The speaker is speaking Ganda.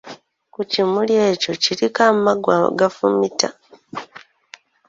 Ku kimuli ekyo kuliko amaggwa agafumita.